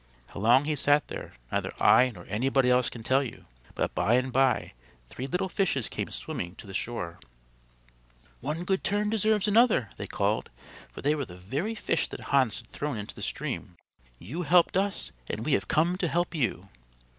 How long he sat there, neither I nor anybody else can tell you, but by and by three little fishes came swimming to the shore. "One good turn deserves another," they called, for they were the very fish that Hans had thrown into the stream. "You helped us, and we have come to help you."